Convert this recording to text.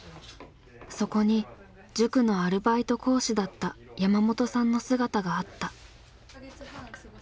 そこに塾のアルバイト講師だった山本さんの姿があった。